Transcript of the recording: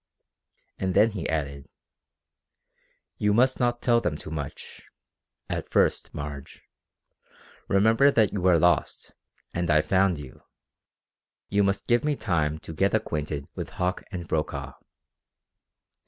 And then he added: "You must not tell them too much at first, Marge. Remember that you were lost, and I found you. You must give me time to get acquainted with Hauck and Brokaw."